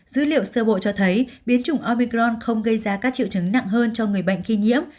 dữ liệu sơ bộ cho thấy biến chủng omicron không gây ra các triệu chứng nặng hơn cho người bệnh khi nhiễm